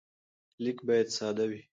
لیک باید ساده وي.